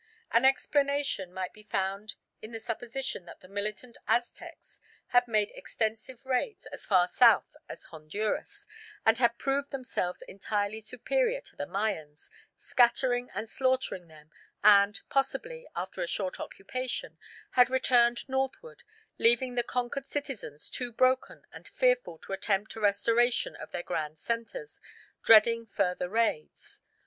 An explanation might be found in the supposition that the militant Aztecs had made extensive raids as far south as Honduras, and had proved themselves entirely superior to the Mayans, scattering and slaughtering them, and, possibly after a short occupation, had returned northward, leaving the conquered citizens too broken and fearful to attempt a restoration of their grand centres, dreading further raids.